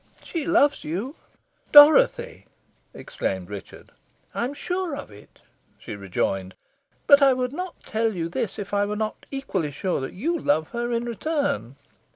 She loves you." "Dorothy!" exclaimed Richard. "I am sure of it," she rejoined. "But I would not tell you this, if I were not quite equally sure that you love her in return."